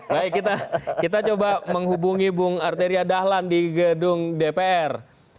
baik kita coba menghubungi bung arteria dahlan di gedung dpr